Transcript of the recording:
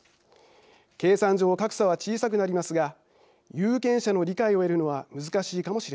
計算上格差は小さくなりますが有権者の理解を得るのは難しいかもしれません。